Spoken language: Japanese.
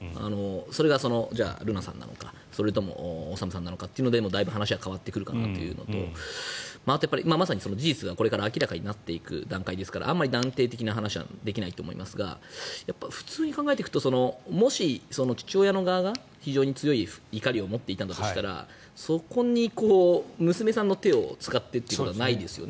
それが瑠奈さんなのかそれとも修さんなのかというのでだいぶ話が変わってくるかなというのとまさに事実がこれから明らかになっていく段階ですからあまり断定的な話はできないと思いますが普通に考えていくともし、父親の側が強い怒りを持っていたんだとしたらそこに娘さんの手を使ってということはないですよね。